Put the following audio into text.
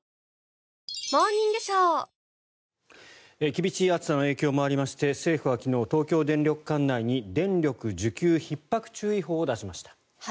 厳しい暑さの影響もありまして政府は昨日東京電力管内に電力需給ひっ迫注意報を出しました。